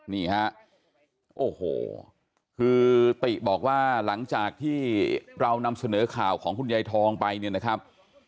นี่ฮะโอ้โหคือติบอกว่าหลังจากที่เรานำเสนอข่าวของคุณยายทองไปเนี่ยนะครับ